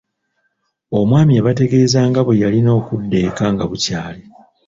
Omwami yabategeeza nga bwe yalina okudda ekka nga bukyali.